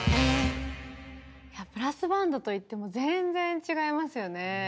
ブラスバンドといっても全然違いますよね。